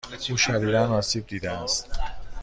او شدیدا آسیب دیده است.